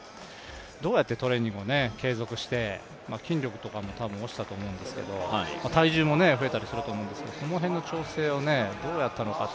どうやってトレーニングを継続して、筋肉とかも多分落ちたと思うんですけど体重も増えたりすると思うんですけれども、その辺の調整をどうやったのか。